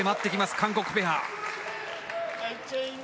韓国ペア。